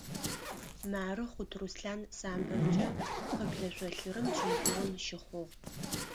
Мары Хъут Руслъан самбомкӀэ къыблэ шъолъырым чемпион щыхъугъ.